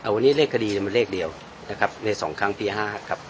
วันนี้เลขคดีมันเลขเดียวนะครับใน๒ครั้งปี๕ครับ